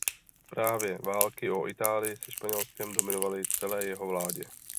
Právě války o Itálii se Španělskem dominovaly celé jeho vládě.